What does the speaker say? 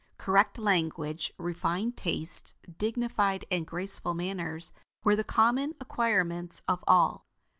Correct language, refined tastes, dignified and graceful manners were the common acquirements of all.